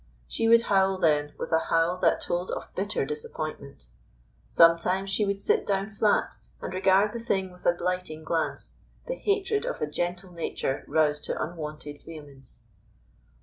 She would howl then with a howl that told of bitter disappointment. Sometimes she would sit down flat and regard the thing with a blighting glance, the hatred of a gentle nature roused to unwonted vehemence.